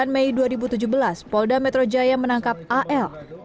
sembilan mei dua ribu tujuh belas polda metro jaya menangkap al